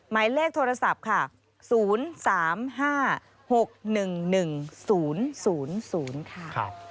หมายเลขโทรศัพท์ค่ะ๐๓๕๖๑๑๐๐ค่ะ